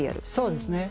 そうですね。